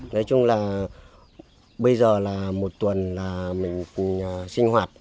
nói chung là bây giờ là một tuần là mình sinh hoạt